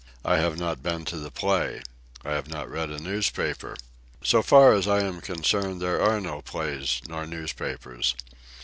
I have not been to the play. I have not read a newspaper. So far as I am concerned, there are no plays nor newspapers.